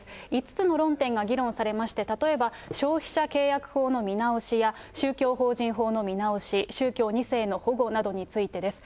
５つの論点が議論されまして、例えば消費者契約法の見直しや、宗教法人法の見直し、宗教２世の保護などについてです。